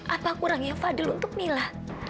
apa kurangnya fadil untuk nila